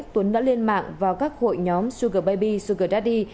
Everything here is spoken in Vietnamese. tuấn đã lên mạng vào các hội nhóm sugar baby sugar daddy